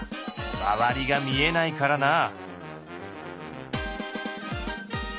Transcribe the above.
周りが見えないからなあ。